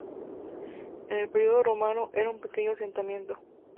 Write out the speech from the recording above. En el periodo romano era un pequeño asentamiento.